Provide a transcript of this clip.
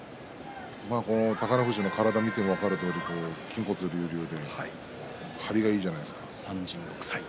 宝富士の体を見ても分かるとおり筋骨隆々で張りがいいじゃないですか。